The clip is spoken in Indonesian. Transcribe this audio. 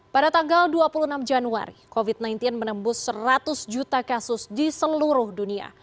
pada tanggal dua puluh enam januari covid sembilan belas menembus seratus juta kasus di seluruh dunia